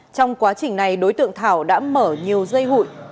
trong quá trình này đối tượng thảo đã mở nhiều dây hụi